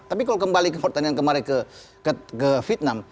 tapi kalau kembali ke pertandingan kemarin ke vietnam